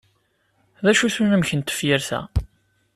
D acu-t unamek n tefyirt-a?